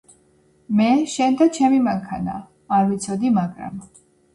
მე შენ და ჩემი მანქანა არ ვიცოდი მაგრამ